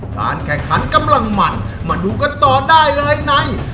การแข่งขันกำลังมันมาดูกันต่อได้เลยใน